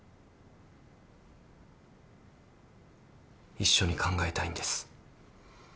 一緒に考えたいんです。